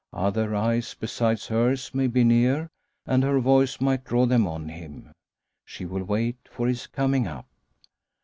Other eyes besides hers may be near, and her voice might draw them on him. She will wait for his coming up.